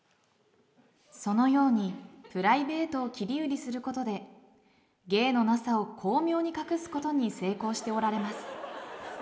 そのようにプライベートを切り売りすることで芸のなさを巧妙に隠すことに成功しておられます。